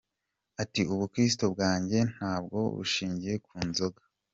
Ati " Ubukirisito bwanjye ntabwo bushingiye ku nzoga!.